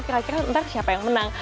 kira kira nanti siapa yang menang